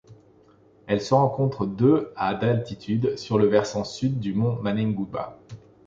Elle se rencontre de à d'altitude sur le versant Sud du mont Manengouba.